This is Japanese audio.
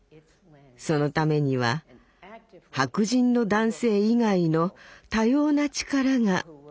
そのためには白人の男性以外の多様な力が必要だったんです。